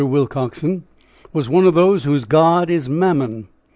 Willcoxen was one of those whose god is Mammon.